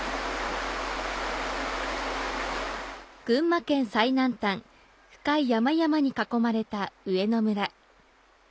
群馬県最南端、深い山々に囲まれた上野村。